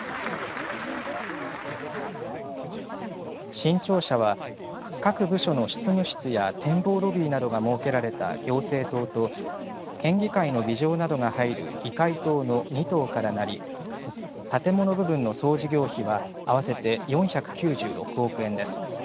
新庁舎は、各部署の執務室や展望ロビーなどが設けられた行政棟と県議会の議場などが入る議会棟の２棟からなり建物部分の総事業費は合わせて４９６億円です。